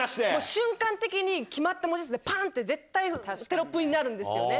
瞬間的に決まった文字数で、ぱーんって絶対テロップになるんですよね。